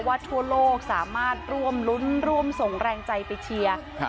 ทั่วโลกสามารถร่วมรุ้นร่วมส่งแรงใจไปเชียร์ครับ